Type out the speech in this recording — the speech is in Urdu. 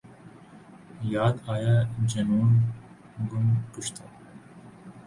یاد آیا جنون گم گشتہ